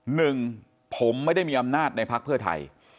หนึ่งผมไม่ได้มีอำนาจในพักเพื่อไทย